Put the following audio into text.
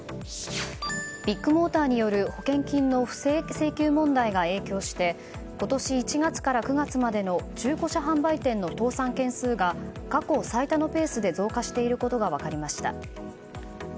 ビッグモーターによる保険金の不正請求問題が影響して今年１月から９月までの中古車販売店の倒産件数が過去最多のペースで増加していることが分かりました。